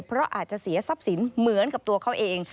เพราะอาจจะเสียทรัพย์สินเหมือนกับตัวเขาเอง